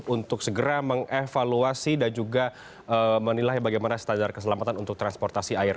untuk segera mengevaluasi dan juga menilai bagaimana standar keselamatan untuk transportasi air